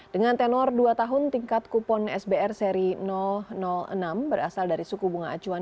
dengan tenor dua tahun tingkat kupon sbr seri enam berasal dari suku bunga acuan